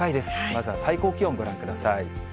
まずは最高気温ご覧ください。